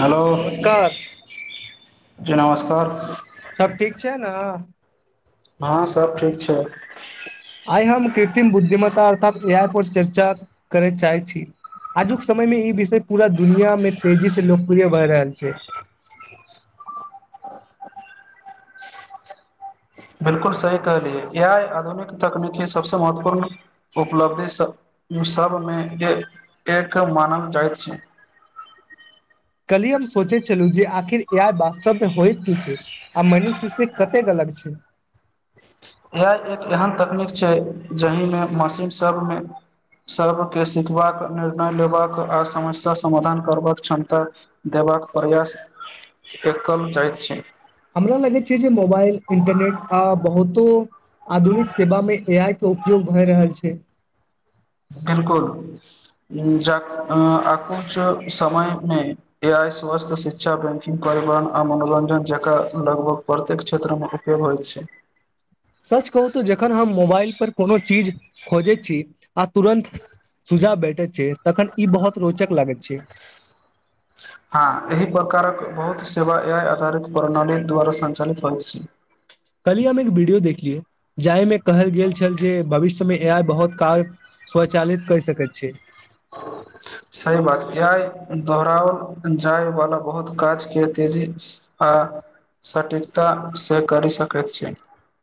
hello नमस्कार जी नमस्कार सब ठीक छै ने हँं सब ठीक छै आइ हम कृत्रिम बुद्धिमत्ता अर्थात ए आइ पर चर्चा करय चाहै छी आजुक समयमे ई विषय पूरा दुनियामे तेजीसँ लोकप्रिय भए रहल छै [inaudible] बिलकुल सही कहलियए आइ आधुनिक तकनीकी सबसे महत्वपूर्ण उपलब्धि सॅं सभमे एक एक मानल जाइत छै कल्हि हम सोचे छलहु जे आखिर आइ वास्तव मे होइत की छै आ मनुष्य से कते गलत पक्षी इह एक एहन तकनीक छै जहिमे मशीन सबमे सबर्के सिखबाक निर्णय लेबाक आ समस्या समाधान करबाक क्षमता देब करबाक प्रयास एकल जाइत छै हमरा लगैत छै जे मोबाइल इंटरनेट आ बहुतो आधुनिक सेवामे ए आइ के उपयोग भए रहल छै बिलकुल जा आकु समयमे ए आइ स्वास्थ्य शिक्षा बैंकिंग परिवहन आ मनोरञ्जन जकरा लगभग प्रत्येक क्षेत्रमे उपयोग होइत छै सच कहू तऽ जखन हम मोबाइल परर कोनो चीज खोजैत छी आ तुरंत सुझाव बैठे छै तखन ई बहुत रोचक लागैत छै [inaudible] हँ एहि प्रकारक बहुत सेवा एइ आधारित प्रणाली द्वारा सञ्चालित होइ छै कल्हि एक वीडियो देखलियै जाहिमे कहल गेल छल जे भविष्य समय ए बहुत कार्य स्वचालित कहि सकैत छै सही बात आइ दोहराओल जाय वाला बहुत काज क तेजी आ आ सटिकता से कर सक छै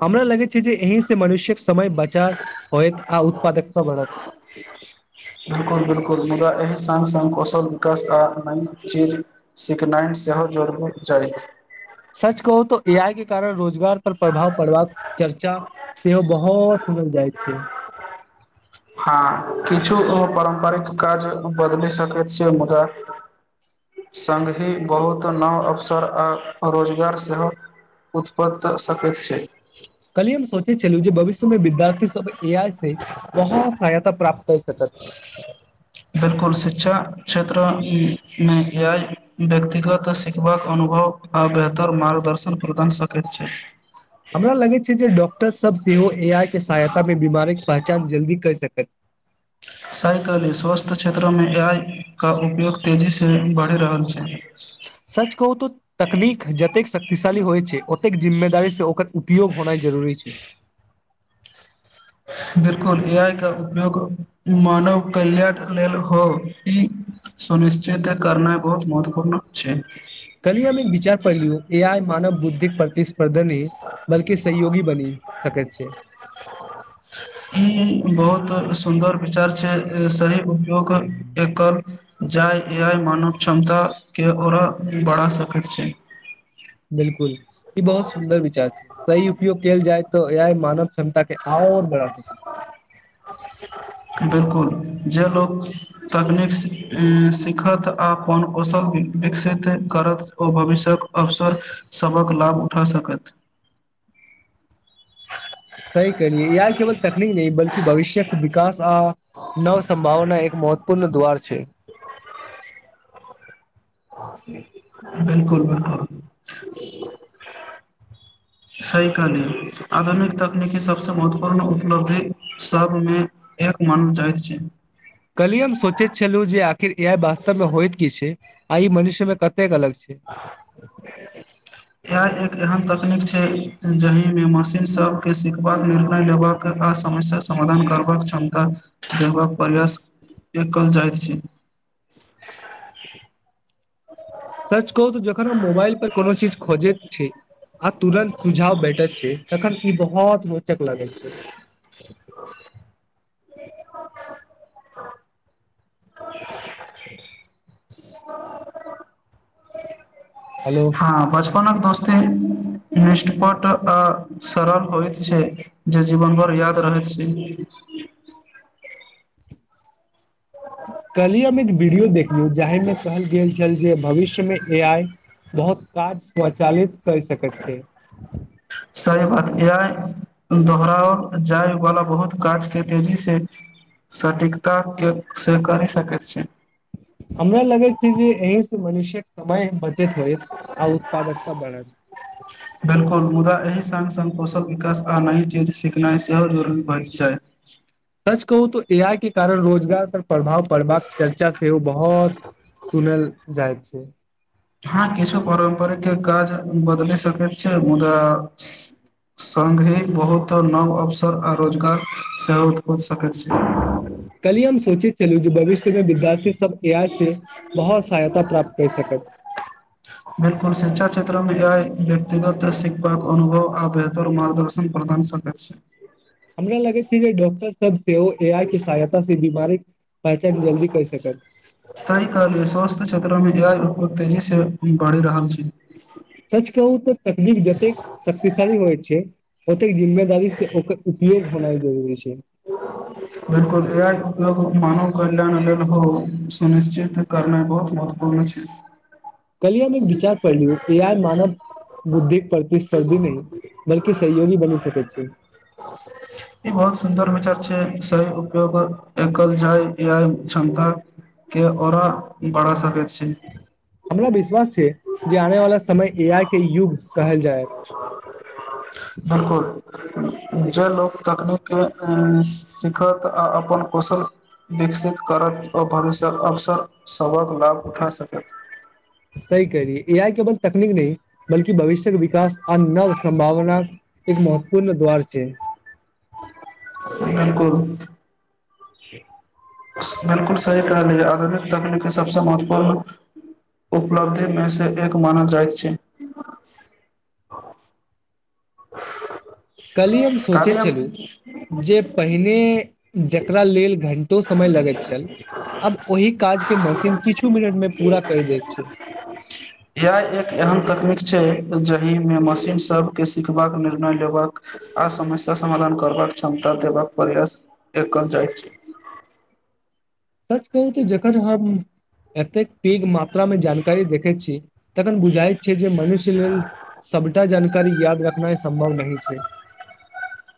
हमरा लगैत छै जे एहिह से मनुष्यके समय बचा होयत आ उत्पादकता बनत सङ्ग सङ्ग कौशल विकास आ न चीर सिकनाइन सेहो जोड़ब जड़त सच कहू त ए आई के कारण रोजगार पर प्रभाव पड़बाक चर्चा सेहो बहुत खल जाइत छै हँ किछु पारम्परिक काज बदलि सकैत छियै मुदा [inaudible] स्हि बहुत न् [inaudible] स्वर आ रोजगार सेहो उत्पन सकैत छै कली हम सोचे छललू जे भविष्य मे विद्यार्थी सब ए आइ से बहुत सहायता प्राप्त कर सकत बिलकुल शिक्षा क्षेत्रमे एआय व्यक्तिगत सिखबाक अनुभव आ बेहतर मार्ग दर्शन प्रदान सकैत छै हमरा लगै छै जे डॉ सब सेहो ए आइ के सहायता मे बीमारीक पहचान जल्दी कर सकत साइकले स्वस्थ्य क्षेत्रमे एआय का उपयोग तेजीसँ बढ़ि रहल छै सच कहू तऽ तकनीक जतेक शक्तिशाली होइ छै ओतेक जिम्मेदारीसँ ओकर वियोग होनाइ जरुरी छै बिलकुल ए आइ का उपयोग मानव कल्याण लेल हो ई सुनिश्चित करना बहुत महत्वपूर्ण छै कल्हि हम एक विचार पढ़लियौ ए आइ मानव बुद्धिक प्रतिस्पर्धा न बल्कि सहयोगी बनी सकैत छै ई बहुतक सुन्दर उद्योग एकर जाहि आ मानव क्षमताके ओकरा बढ़ा सकैत छै बिलकुल ई बहुत सुन्दर विचार छै सही उपयोग कयल जाय तऽ एआइ मानव क्षमता के आओ बढ़ सक छै [inaudible] ओ [inaudible] बिलकुल जे लोक तकनीक सिखत आ अपन कौशल विकसित करत ओ भविष्य्यक अवसर सभक लाभ उठा सकत [inaudible] सही कहलियै इह केवल तकनीक नहि बल्कि भविष्यके विकास आ नवसंभावना एक महत्वपूर्ण द्वर छै बिलकुल बिलकुल [inaudible] सह कहली आधुनिक तकनीकी सभसँ महत्वपूर्ण उपलब्धि सभमे एफ मान चाह छै कलिय हम सोचैत छलहुँ जे आखिर इ वास्तवमे होइत की छै आ मनुष्यमे क यह एक एहन तक तनीक छै जाहिमे मशीन सबके सीखबाक निर्णय लेबाक आ समस्याक समाधान करबाक बाक क्षमता देखबाक प्रयास कल जाइत छै [inaudible] सर्च कहू तऽ जखन हम मोबाइल पर कोनो चीज खोजैत छी आ तुरन्त सुझाव बेठत छै तखन ई बहुत रोचक लागैत छै हेलो हँ बचपना दोस्ते निष्पट आ सरल होइत छै जे जीवन भर याद रहैत छै [inaudible] कलहि हम एक वीडियो देखलियौ जाहिमे कहल गेल छल जे भविष्यमे ए आइ बहुत काज स्वचालित कर सकैत छै य दोहराओ जाय वाला बहुत काज के तेजी से सठीकता के से कर सक छै हमरा लगे छै जे असँ मनुष्य समय बचत होइ आ उत्पादकता बढ़ बिलकुल मुदा एहि सङ् सङ् कौशल विकास आ नहि जे सिखनाइ सेहो दरू भए जाय सच कहू तऽ ए आइ के कारण रोजगार पर प्रभाव पड़बाक चर्चा सेहो बहुत सुनल जाइत छै के काज बदल सक छै मुदा सङग ही बहुत नव अवसर आ रोजगार सेहो उो सकैत छै कली हम सोचित चलू जे भविष्य मे विद्यार्थी सब ए आइ से बहुत सहायता प्राप्त कर सकत बिलकुल शिक्षा व्यक्तिगत शीखबाक अनुभव आ बेतर मारगदर्शन प्रदान सक छै हमरा लगै छै जे डॉक्टर सब से ओ ए आइ के सहायता से बीमारी पहचान जल्दी कर सकत त काल स्वस््थ क्षेत्र मे एआइ उोग तेजी से बढ़ि रहल छै सच कहू त तकलिफ जतेक शक्तिशाली होइ छै तेक जिम्मेदारी से ओकर उपयोग होनाइ जरुररी छै कल्यण लेल हो सुनिश्चित करना बहुत महत्वपूर्ण छै कलियामे एक विचार पढ़ लियौ कि यार मानव बुद्धिक प्रतिस्पर्धी नहि बल्कि सहयोगी बनि सक छै [inaudible] ई बहुत सुन्दर विचार छै सही उपयोग एकल जाय इ क्षमता के ओरा बढ़ा सक छै हमरा विश्वास छै जे आने वाला समय ए आइ के युग कहल जाय बिलकुल जे लोक तकनीकके सिखत आ अपन कौशल विकसित करथि ओ भविष्य्यक अवसर सभक लाभ उठा सकथि सै कही आइ केवल तकनीक नहि बल्कि भविष्यके विकास आ नव सं्भावना एक महत्वपूर्ण दोर ब छै बिलकुल बिलकुल सही कहलिय आधुनिक तकनीकके सबस महत्वपूर्ण उपलब्धि मे सँ एक मानल जाइत छै [inaudible] कलहि हम सोचै काल्हि हम छलहु जे पहिने जेकरा लेल घणटा समय लगैत छल आब ओहि काज के मशीन किछु मिनट मे पूरा कर दैत छै यह एक अहम तकनीक छै जाहिमे मशीन सभके सीखबाक निर्णय लेबाक आ समस्या समाधान करबाक क्षमता देबाक प्रयास एक जाइत छै सच कहू त जखन हम एतेक पैघ मात्रामे जानकारी देखैत छी तखन बुझाइत छै जे मनुष्य लेल सभटा जन कर याद रखिनाइ सम्भव नहि छै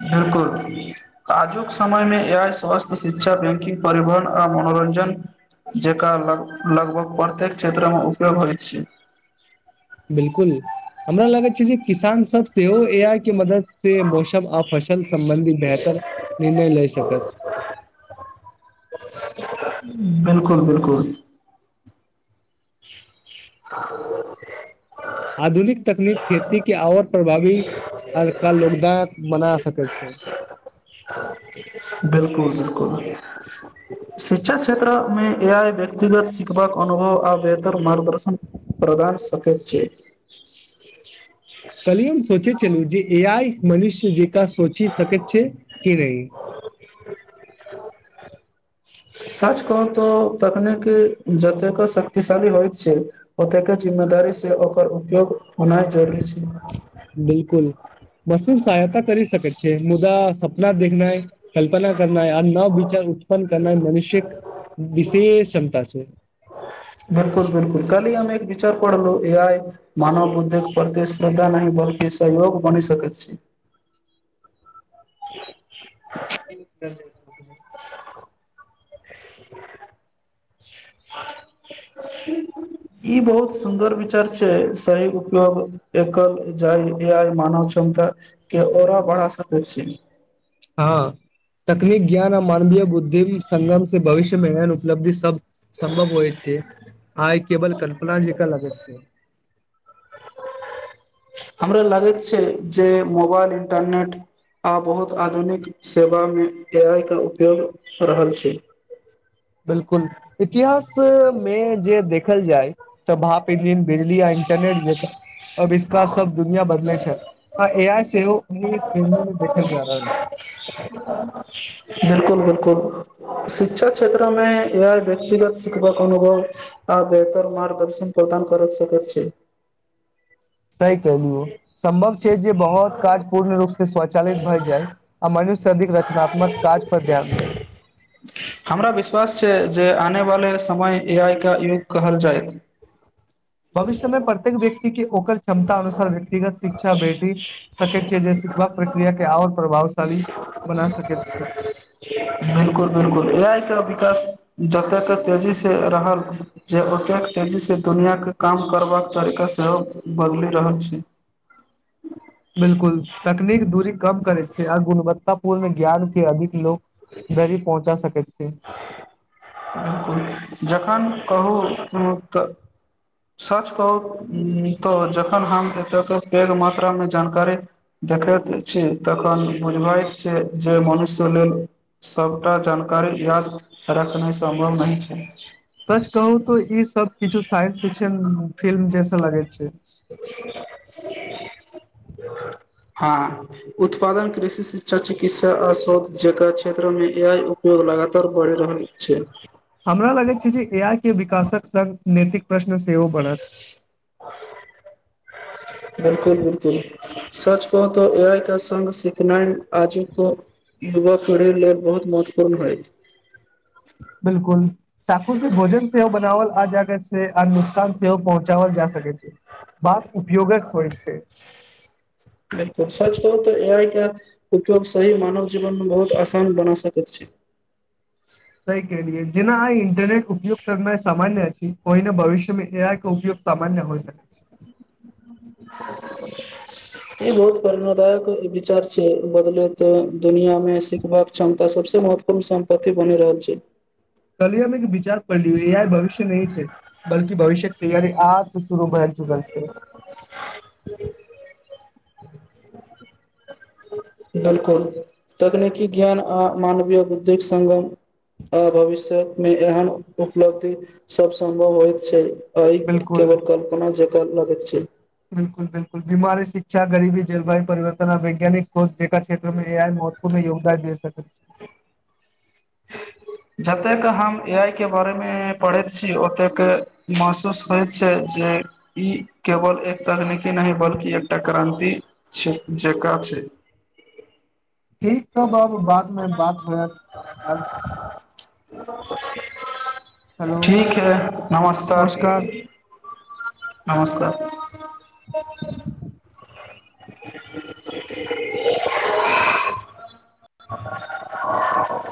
बिलकुल आजुक समयमे ए आइ स्वास्थ्य शिक्षा बैंकिंग परिवहन आ मनो मनोरञजन जेका लगभग प्रत्येक क्षेत्रमे उपयोग होइत छै बिल्कुल हमरा लागैत छै जे किसान सब सेहो ए आइ के मदद से मौसम आ फसल सम्बन्धी बेहतर निर्णय लेइ सकत बिलकुल बिलकुल आ आधुनिक तकनीक खेती के आओर प्रभावी कअ लोग दान बना सकै छै बिल्कुल बिल्कुल शिक्षा क्षेत्रमे ए आइ व्यक्तिगत सिखबाक अनुभव आ बेहतर मार्गदर्शन प्रदान सकैत छी कहलियन सोचै छलहु जे ए आइ मनुष्य जे सोचि सकैत छिये कि नहि [inaudible] सच कहू तऽ तकनीकी जतेको शक्तिशाली होइत छै ओतेके जिम्मेदारी से ओकर उपयोग होनाइ जरूरी छै बिलकुल बस सहायता करि सकै चियै मुदा सपना देखनाइ कल्पना करनाइ आ नव विचार उठ उत्पन्न करनाइ मनुष्यक विषेश क्षमता छै बिल्कुल बिल्कुल कहलि हम एक विचार पर ए आइ मानव बुद्धि प्रतिस्पर्धा नहि बल्कि सहयोग बनि सकै छी [unintelligible] ई बहुत सुंदर विचार छै सही उपयोग एकल जाय इन्डिया मानव क्षमता के आओरा बढ़ा सकैत छी हँ तकनीक ज्ञान आ मानवीय बुद्धि संगमसे भविष्यमे एहन उपलब्धि सब संभव होइ छै आइ केवल कल्पना जेका लगैत छै हमरा लागै छै जे मोबाल इंटरनेट आ बहुत आधुनिक सेवामे ए आइ के उपयोग कऽ रहल छै बिलकुल इतिहासमे जे देखल जाय सभाव बिजली आ इन्टरनेट जेकाँ अब इसका सब दुनिया बदलै छै आ ए आइ सेहो अपनी श्रेणी मे देखल जा रहल छै बिलकुल बिलकुल शिक्षा क्षेत्रमे ए आइ व्यक्तिगत शिखबाक अनुभव आ बेहतर मार्गदर्शन पावि काम करत सकैत छै सही कहिलू अ सम्भव छै जे बहुत काज पूर्ण रूप से स्वचालित भए जाइ आ मनुष्य स अधिक रचनात्मक काज पर ध्यान दै हमरा विश्वास छै जे आनवाले समय ए आइ का युग कहल जाएत भविष्यमे प्रत्येक व्यकि के ओकर क्षमता अनुसार व्यक्तिगत शिक्षा भेटी सकैत छै जे सिखबाक प्रक्रिया के आओर प्रभावशाली बना सकैत छै बिलकुल बिलकुल ए आइ का विकास जखन ओतेक तेजीसँ रहल जे ओतेक तेजीसँ दुनिआके काम करबाक तरीका सेहो बदिले रहल छै बिलकुल तकनीक दूरी कम करै छै आ गुणवत्ता पूर्ण ज्ञान के अधिक लोक धरि पहुँचा सकैत छी जखन कहू कुनु तऽ [unintelligible] सच कहू तऽ जखन हम एतेक पैघ मात्रा मे जानकारी देखैत छी तखन बुझबैत छी जे मनुष्य लेल सबटा जानकारी याद रखनाय सम्भव नहि छै सच कहू तो ई सब किछु साइंस फिक्शन फिल्म जैसा लगैत छै [inaudible] हँ उत्पादन कृषि शिक्षा चिकित्सा आ शोध जेकरा क्षेत्र मे ए आय उपयोग लगातार बढ़ि रहल छै हमरा लगैत छै जे ए आइ के विकासक संग नैतिक प्रश्न सेहो बढ़त बिलकुल बिलकुल सच कहू तऽ ए आइ के संग सिखनाइ आजूक युवा पीढ़ी लेल बहुत महत्वपूर्ण होयत बिलकुल चाकू से भोजन से हो बनावल आ जा कऽ छै आ नुकसान सेहोव पहुँचावल जा सकै छै बात उपयोगक होइ छै बिलकुल सच कहू तऽ ए आइ के उपयोग सही मानव जीवन बहुत आसान बना सकैत छै [inaudible] सही कहलियै जेना आय इंटरनेट उपयोग करनाय सामान्य अछि ओहिना भविष्य मे उपयोग सामान्य होइ सकैत छै [inaudible] [inaudible] ई बहुत प्रेणादायक विचार छै बदलेत दुनिया मे सिखबाक क्षमता सबसे म महत्वपूर्ण सम्पत्ति बनि रहल छै कल्हि हम एक विचार पढलिये ए आइ भविष्य नहि छै बल्कि भविष्यक तैयारी आब शुरू भय चुकल छै बिलकुल तकनीकी ज्ञान आ मानवीय बुद्धिक संगम आ भविष्य मे एहन उपलब्धि सब सम्भव होइत छै आय केवल कल्पना जेकाँ लगैत छै बिलकुल बिलकुल बीमारी शिक्षा गरीबी जलवायु परिवर्तन आ वैज्ञानिक सोध जेकाँ क्षेत्र मे ए आय महत्वपूर्ण योगदान दे सकैत छै जतेक हम जे ई केवल एक तकनीकी नहि बल्कि एकटा क्रान्ति छै जेकाँ छै ठीक ह बाबू बादमे बात होयत आज हेलो ठीक है नमस्कार नमस्कार [inaudible] [inaudible] [inaudible]